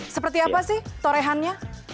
seperti apa sih torehannya